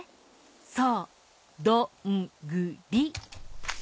そうどんぐり。